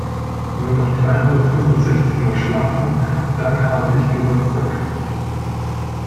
Nur noch dreihundertfünfundsechzig mal schlafen, dann habe ich Geburtstag!